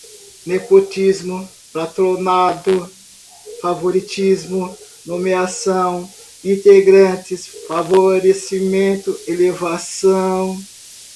nepotismo, patronato, favoritismo, nomeação, integrantes, favorecimento, elevação